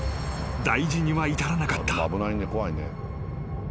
大事には至らなかった］